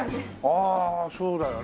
ああそうだよねえ。